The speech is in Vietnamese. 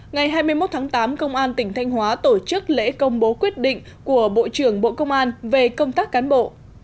ngày hai mươi một tháng tám công an tỉnh thanh hóa tổ chức lễ công bố quyết định của bộ trưởng bộ công an về công tác cán bộ